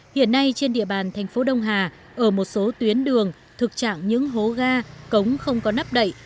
hiện nay trên địa bàn thành phố đông hà ở một số tuyến đường thực trạng những hố ga cống không có nắp đậy